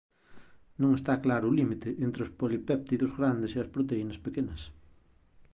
Non está claro o límite entre os polipéptidos grandes e as proteínas pequenas.